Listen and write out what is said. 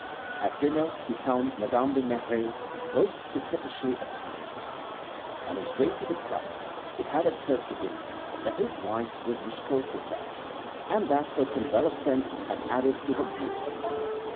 At dinner he found Madame de Merret most coquettishly attired. On his way to the club it had occurred to him that his wife was restored to health, and that her convalescence had added to her beauty.